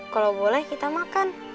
kalau boleh kita makan